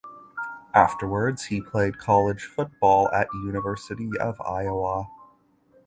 Afterwards he played college football at University of Iowa.